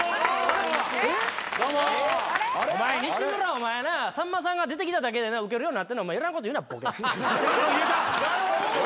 西村お前なさんまさんが出てきただけでなウケるようになってるのにいらんこと言うなボケ。